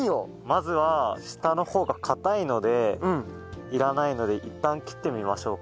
まずは下の方がかたいのでいらないのでいったん切ってみましょうか。